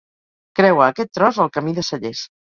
Creua aquest tros el Camí de Cellers.